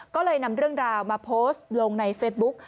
ก็เลยนำเรื่องราวมาโพสต์ลงในเฟซบุ๊ก